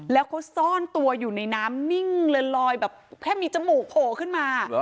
แล้วเขาซ่อนตัวอยู่ในน้ำนิ่งเลยลอยแบบแค่มีจมูกโผล่ขึ้นมา